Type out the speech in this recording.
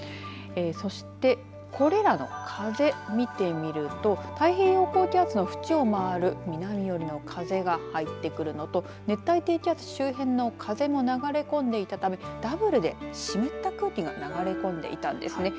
そして、これらの風、見てみると太平洋高気圧の縁をまわる南よりの風が入ってくるのと熱帯低気圧周辺の風も流れ込んでいたためダブルで湿った空気が流れ込んでいたんですね。